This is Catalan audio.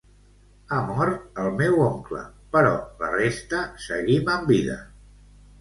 Ha mort el meu oncle, però la resta seguim amb vida.